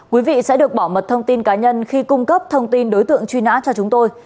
quý vị sẽ được bảo mật thông tin cá nhân khi cung cấp thông tin đối tượng truy nã cho chúng tôi